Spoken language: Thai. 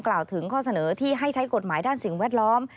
กล่าวถึงข้อเสนอที่ให้ใช้กฎหมายด้านสิ่งแวดล้อม